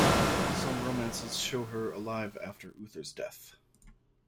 Some romances show her alive after Uther's death.